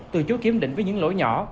từ chú kiểm định với những lỗi nhỏ